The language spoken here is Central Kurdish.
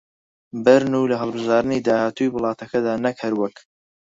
بەرن و لە هەڵبژاردنی داهاتووی وڵاتەکەدا نەک هەر وەک